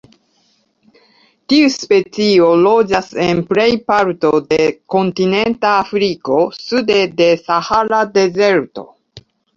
Tiu specio loĝas en plej parto de kontinenta Afriko sude de Sahara Dezerto.